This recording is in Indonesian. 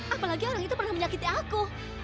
apalagi orang itu pernah menyakiti aku